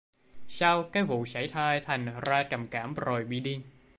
Sau cái vụ sảy thai thành ratrầm cảm rồi bị điên